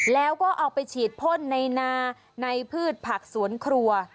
แล้วก็เอาไปฉีดพ่นในนาในพืชผักสวนครัว